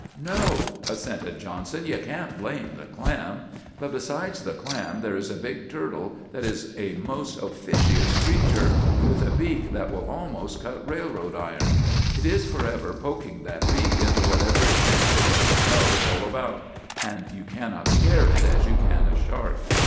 "'No,' assented Johnson; 'you can't blame the clam. But besides the clam, there is a big turtle that is a most officious creature, with a beak that will almost cut railroad iron. It is forever poking that beak into whatever it thinks it doesn't know all about; and you cannot scare it as you can a shark.